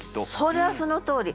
それはそのとおり。